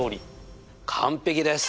完璧です！